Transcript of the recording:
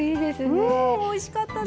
おいしかったです。